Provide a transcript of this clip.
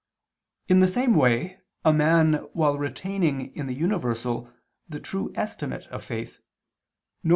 In the same way, a man while retaining in the universal, the true estimate of faith, viz.